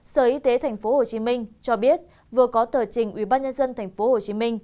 sở y tế tp hcm cho biết vừa có tờ trình ubnd tp hcm